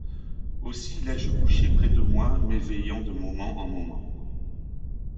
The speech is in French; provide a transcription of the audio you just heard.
Aussi l’ai-je couché près de moi, m’éveillant de moment en moment.